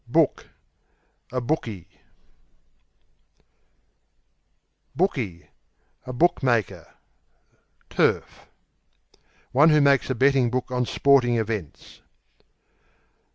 Book A bookie, q.v. Bookie A book maker (turf); one who makes a betting book on sporting events.